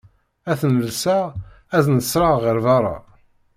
Ad ten-lseɣ ad nesreɣ ɣer berra.